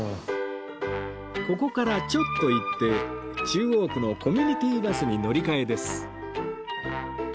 ここからちょっと行って中央区のコミュニティバスに乗り換えです